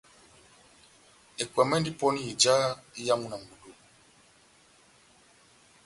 Ekwɛmi endi pɔni ija iyamu na ngudi